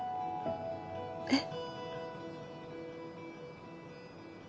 えっ？